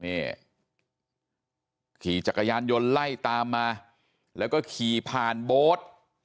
นี่ขี่จักรยานยนต์ไล่ตามมาแล้วก็ขี่ผ่านโบ๊ท